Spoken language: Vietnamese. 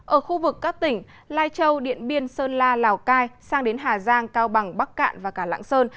ở khu vực các tỉnh lai châu điện biên sơn la lào cai sang đến hà giang cao bằng bắc cạn và cả lãng sơn